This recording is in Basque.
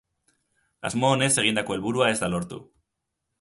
Asmo onez egindako helburua ez da lortu.